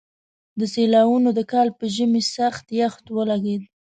د سېلاوونو د کال په ژمي سخت يخ ولګېد.